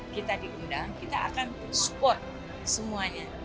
kita diundang kita akan support semuanya